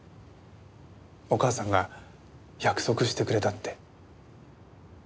お母さんが約束してくれたって。